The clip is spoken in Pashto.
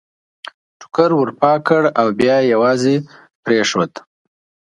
ټوکر ور پاک کړ او بیا یې یوازې پرېښود.